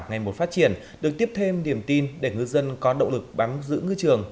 ngày một phát triển được tiếp thêm niềm tin để ngư dân có động lực bám giữ ngư trường